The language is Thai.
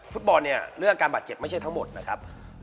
ฟุตบอลเนี่ยเรื่องการบาดเจ็บไม่ใช่ทั้งหมดนะครับ